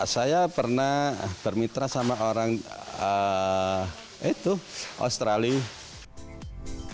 saya pernah bermitra sama orang australia